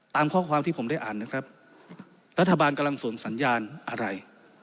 ตามข้อความที่ผมได้อ่านนะครับรัฐบาลกำลังสวนสัญญาณอะไร